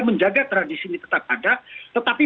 menjaga tradisi ini tetap ada tetapi